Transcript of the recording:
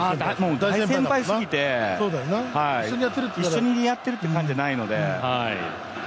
大先輩すぎて、一緒にやっているという感じじゃないので。